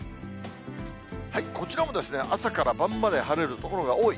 こちらも朝から晩まで晴れる所が多い。